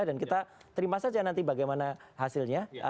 dan kita terima saja nanti bagaimana hasilnya